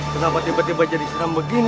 kenapa tiba tiba jadi seram begini